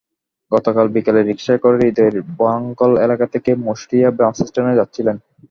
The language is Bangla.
গতকাল বিকেলে রিকশায় করে হৃদয় বরঙ্গাইল এলাকা থেকে মুশুরিয়া বাসস্ট্যান্ডে যাচ্ছিলেন।